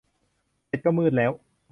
เสร็จก็มืดแล้ว